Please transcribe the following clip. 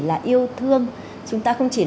là yêu thương chúng ta không chỉ